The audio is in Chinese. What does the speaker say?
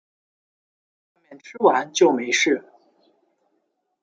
在外面吃完就没事